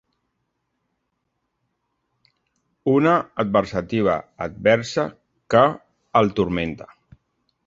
Una adversativa adversa que el turmenta.